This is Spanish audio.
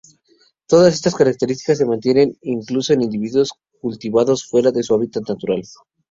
Todas estas características se mantienen incluso en individuos cultivados fuera de su hábitat natural.